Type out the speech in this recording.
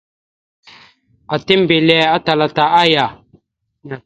Ata mbelle atal ata aya.